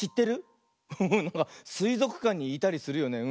すいぞくかんにいたりするよね。